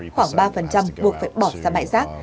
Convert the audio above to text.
khoảng ba buộc phải bỏ ra bãi rác